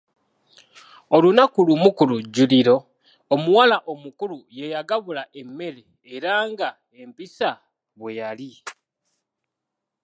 Olunaku lumu ku lujjuliro, omuwala omukulu ye yagabula emmere era nga empisa bwe yali.